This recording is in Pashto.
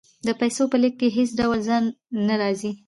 د پیسو په لیږد کې هیڅ ډول ځنډ نه راځي.